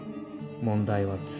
問題は次。